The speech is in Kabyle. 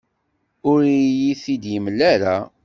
Ur iyi-t-id-yemla ara.